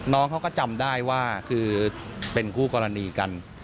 น้องเขาก็จำได้ว่าคือเป็นคู่กรณีกัน